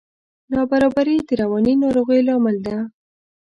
نابرابري د رواني ناروغیو لامل ده.